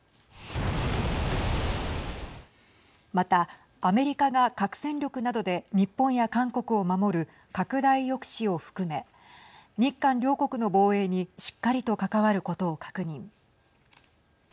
また、アメリカが核戦力などで日本や韓国を守る拡大抑止を含め日韓両国の防衛にしっかりと関わることを確認。